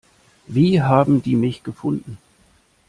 Wie haben die mich gefunden?